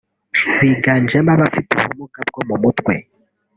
biganjemo abafite ubumuga bwo mu mutwe